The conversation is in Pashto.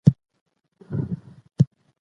زلزله راغلې ده.